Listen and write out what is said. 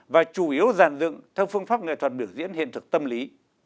và chủ yếu giàn dựng theo phương pháp nghệ thuật biểu diễn hiện thực tâm lý